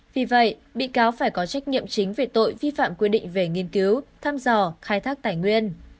vì vậy bị cáo phải có trách nhiệm chính về tội vi phạm quy định về nghiên cứu thăm dò khai thác tài nguyên